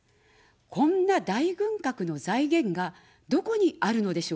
こんな大軍拡の財源がどこにあるのでしょうか。